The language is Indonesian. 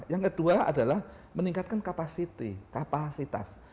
yang kedua adalah meningkatkan kapasitas